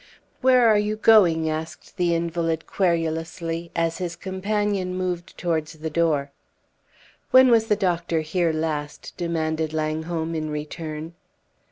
"Where are you going?" asked the invalid, querulously, as his companion moved towards the door. "When was the doctor here last?" demanded Langholm in return.